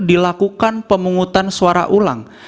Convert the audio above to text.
dilakukan pemungutan suara ulang